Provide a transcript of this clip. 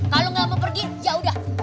kalau nggak mau pergi ya udah